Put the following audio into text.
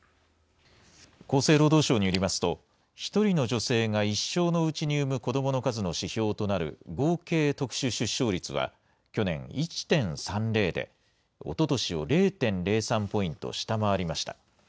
厚生労働省によりますと、１人の女性が一生のうちに産む子どもの数の指標となる合計特殊出生率は、去年１．３０で、おととしを０．０３ポイント下回りました。